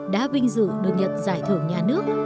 đã vinh dự được nhận giải thưởng nhà nước